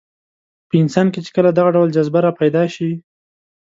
په انسان کې چې کله دغه ډول جذبه راپیدا شي.